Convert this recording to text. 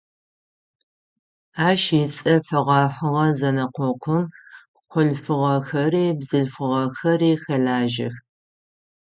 Ащ ыцӏэ фэгъэхьыгъэ зэнэкъокъум хъулъфыгъэхэри бзылъфыгъэхэри хэлажьэх.